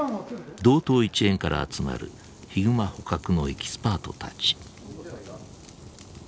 道東一円から集まるヒグマ捕獲のエキスパートたち。